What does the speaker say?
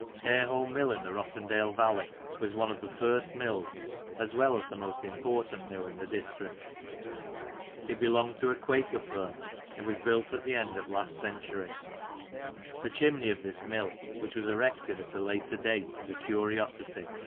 142 Lancashire Characters and Places. Hareholme Mill in the Rossendale Valley was one of the first mills, as well as the most important mill in the district It belonged to a Quaker Firm, and was built at the end of last century. The chimney of this mill, which was erected at a later date, is a curiosity.